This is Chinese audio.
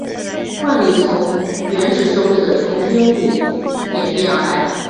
冠礼从原始社会的成丁礼演变而来。